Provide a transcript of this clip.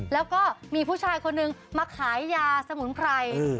และมีผู้ชายมาขายยาสมุนไพร